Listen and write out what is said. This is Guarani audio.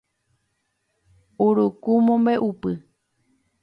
Uruku mombe'upy